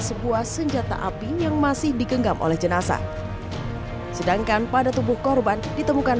sebuah senjata api yang masih digenggam oleh jenazah sedangkan pada tubuh korban ditemukan